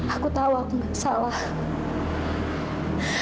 aku tahu aku salah